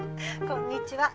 こんにちは。